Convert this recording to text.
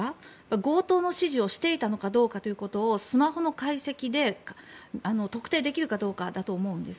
強盗の指示をしていたのかどうかということをスマホの解析で特定できるかどうかだと思うんです。